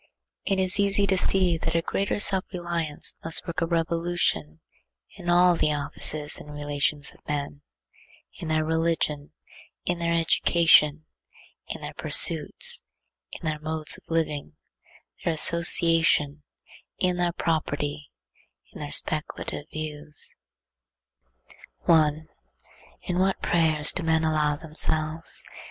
It is easy to see that a greater self reliance must work a revolution in all the offices and relations of men; in their religion; in their education; in their pursuits; their modes of living; their association; in their property; in their speculative views. 1. In what prayers do men allow themselves!